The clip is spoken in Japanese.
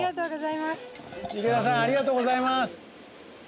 池田さんありがとうございます。